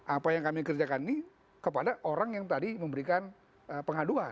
apa yang kami kerjakan ini kepada orang yang tadi memberikan pengaduan